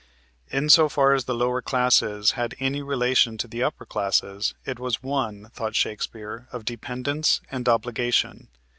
In so far as the lower classes had any relation to the upper classes, it was one, thought Shakespeare, of dependence and obligation.